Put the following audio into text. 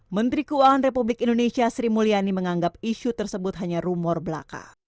menteri keuangan republik indonesia sri mulyani menganggap isu tersebut hanya rumor belaka